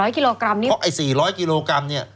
๔๐๐กิโลกรัมไอ๔๐๐กิโลกรัมเนี่ย